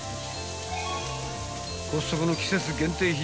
［コストコの季節限定品